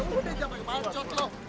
udah jangan banyak pancot lo